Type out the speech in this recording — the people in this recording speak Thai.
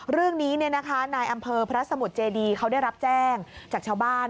เรื่องนี้นายอำเภอพระสมุทรเจดีเขาได้รับแจ้งจากชาวบ้าน